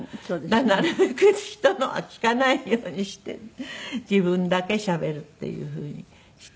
だからなるべく人のは聞かないようにして自分だけしゃべるっていうふうにしていますけれども。